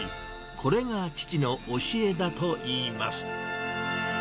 これが父の教えだといいます。